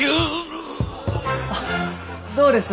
あっどうです？